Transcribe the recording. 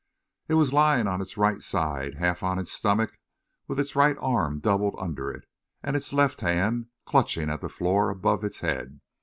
It was lying on its right side, half on its stomach, with its right arm doubled under it, and its left hand clutching at the floor above its head.